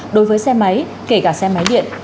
đối với xe máy kể cả xe máy điện